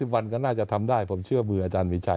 วันก็น่าจะทำได้ผมเชื่อมืออาจารย์มีชัย